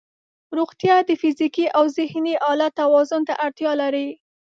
روغتیا د فزیکي او ذهني حالت توازن ته اړتیا لري.